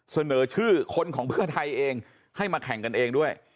เสนอชื่อคนของเพื่อไทยเองให้มาแข่งกันเองด้วย